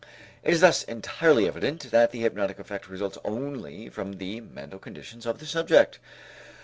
It is thus entirely evident that the hypnotic effect results only from the mental conditions of the subject.